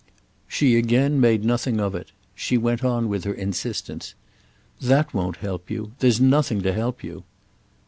She again made nothing of it; she went on with her insistence. "That won't help you. There's nothing to help you."